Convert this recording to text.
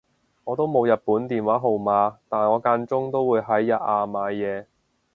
我都冇日本電話號碼但我間中都會喺日亞買嘢